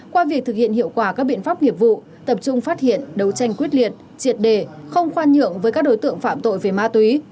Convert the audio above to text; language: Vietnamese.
qua việc thực hiện hiệu quả các biện pháp nghiệp vụ tập trung phát hiện đấu tranh quyết liệt triệt đề không khoan nhượng với các đối tượng phạm tội về ma túy